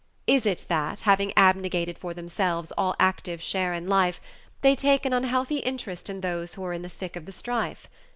Is it that, having abnegated for themselves all active share in life, they take an unhealthy interest in those who are in the thick of the strife?